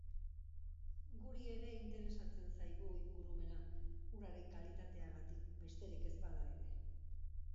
Guri ere interesatzen zaigu ingurumena, uraren kalitateagatik besterik ez bada ere.